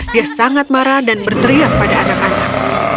dia sangat marah dan berteriak pada anak anak